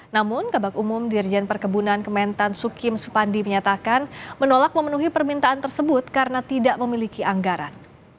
namun kebak umum dirjen perkebunan kementan sukim supandi menyatakan menolak memenuhi permintaan tersebut karena tidak memiliki anggaran